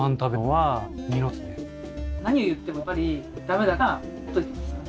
何を言ってもやっぱり駄目だからほっといてます。